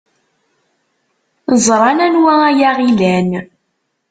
Ẓran anwa ay aɣ-ilan.